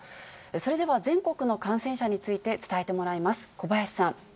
それでは全国の感染者について、伝えてもらいます。